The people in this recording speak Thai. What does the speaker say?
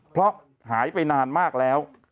เพราะหายไปนานมากแล้ว